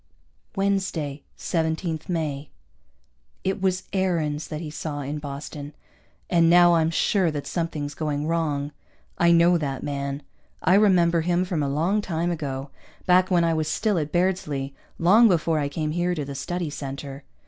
Wednesday, 17 May. It was Aarons that he saw in Boston, and now I'm sure that something's going wrong. I know that man. I remember him from a long time ago, back when I was still at Bairdsley, long before I came here to the Study Center.